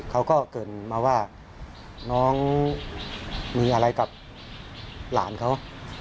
เขาก็เกิดมาว่าน้องมีอะไรกับหลานเขา